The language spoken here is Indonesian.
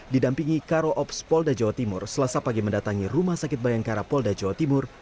didampingi karo ops polda jawa timur selasa pagi mendatangi rumah sakit bayangkara polda jawa timur